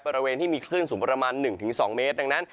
บริเวณที่มีคลื่นสูงประมาณ๑๒เมตรดังนั้น